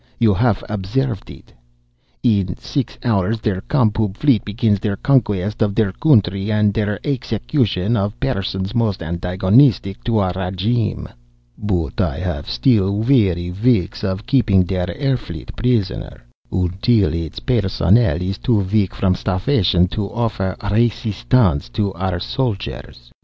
You haff observed it. In six hours der Com Pub fleet begins der conquest of der country and der execution of persons most antagonistic to our regime. But I haff still weary weeks of keeping der air fleet prisoner, until its personnel iss too weak from starfation to offer resistance to our soldiers.